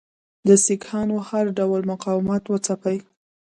د سیکهانو هر ډول مقاومت وځپي.